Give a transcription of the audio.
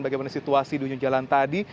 bagaimana situasi di dunia jalan tadi